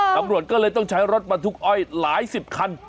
ตำรวจก็เลยต้องใช้รถบรรทุกอ้อยหลายสิบคัน